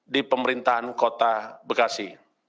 di pemerintahan kota bekasi